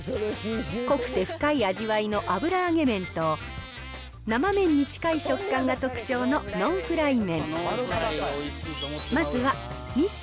濃くて深い味わいの油揚げ麺と生麺に近い食感が特徴のノンフライ麺。